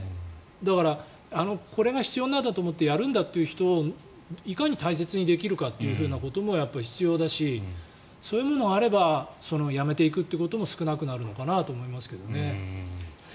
だからこれが必要なんだと思ってやるんだという人をいかに大切にできるかということも必要だしそういうものがあれば辞めていくということも少なくなるのかなと思いますけどね。